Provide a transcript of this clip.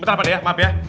bentar pak deh ya maaf ya